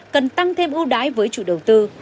cần tăng thêm ưu đái với chủ đầu tư